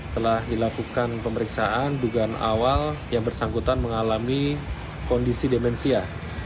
telah dilakukan pemeriksaan dugaan awal yang bersangkutan mengalami kondisi demensia